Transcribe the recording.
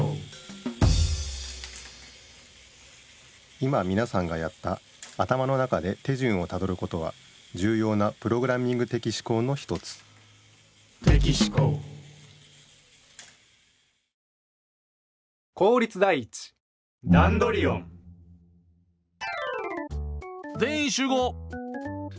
今みなさんがやった頭の中で手順をたどることはじゅうようなプログラミング的思考の一つぜんいんしゅうごう！